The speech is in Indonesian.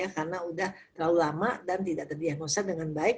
karena sudah terlalu lama dan tidak terdiagnosa dengan baik